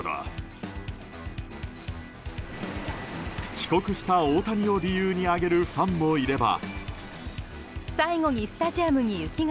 帰国した大谷を理由に挙げるファンもいれば。